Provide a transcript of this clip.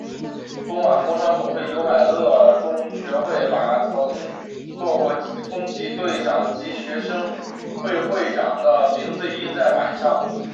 东莞工商总会刘百乐中学会把曾做过风纪队长及学生会会长的学生名字印在板上。